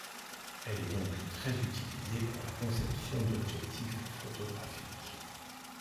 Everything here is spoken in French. Elle est donc très utilisée pour la conception d'objectifs photographiques.